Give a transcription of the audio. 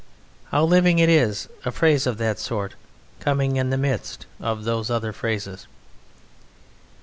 How living it is, a phrase of that sort coming in the midst of those other phrases!